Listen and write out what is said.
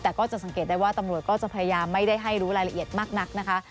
แต่ก็จะสังเกตได้ว่าตำรวจก็จะพยายามไม่ได้ให้รู้รายละเอียดมากนักนะคะ